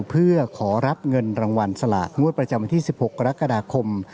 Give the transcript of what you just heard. เพื่อขอรับเงินรางวัลสลากงวดประจำวันที่๑๖กรกฎาคม